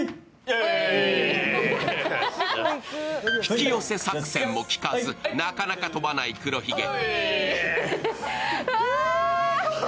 引き寄せ作戦も効かずなかなか飛ばない黒ひげ。